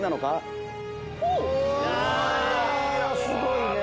すごいね！